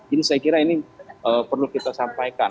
ini saya kira ini perlu kita sampaikan